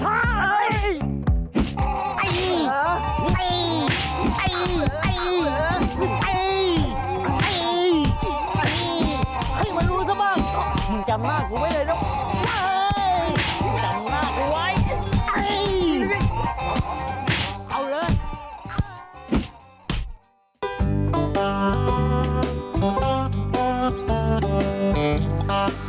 จำหน้าของมันให้เลยนะ